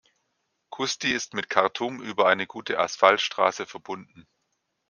Kusti ist mit Khartum über eine gute Asphaltstraße verbunden.